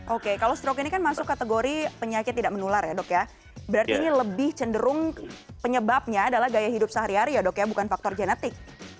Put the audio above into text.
oke kalau stroke ini kan masuk kategori penyakit tidak menular ya dok ya berarti ini lebih cenderung penyebabnya adalah gaya hidup sehari hari ya dok ya bukan faktor genetik